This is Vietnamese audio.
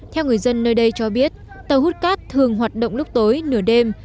theo người dân nơi đây cho biết tàu hút cát thường hoạt động lúc tối nửa đêm